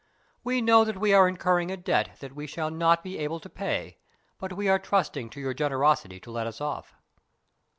We know that we are incurring a debt that we shall not be able to pay, but we are trusting to your generosity to let us off."